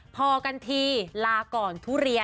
พอกันทีลาก่อนทุเรียน